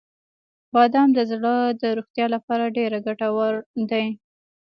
• بادام د زړه د روغتیا لپاره ډیره ګټور دی.